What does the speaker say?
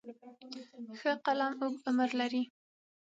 ښه قلم اوږد عمر لري.